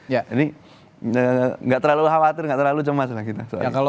jadi gak terlalu khawatir gak terlalu cemas lah kita